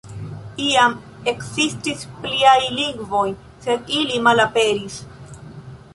Iam ekzistis pliaj lingvoj, sed ili malaperis.